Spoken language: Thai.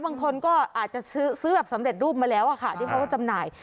บางคนก็อาจจะซื้อแบบสำเร็จรูปมาแล้วอะค่ะที่เขาจำหน่าย